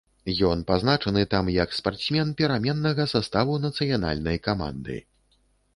Ён пазначаны там як спартсмен пераменнага саставу нацыянальнай каманды.